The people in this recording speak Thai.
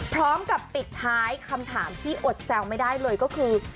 พร้อมกับปิดท้ายคำถามที่อดแซวไม่ได้เลยก็คือ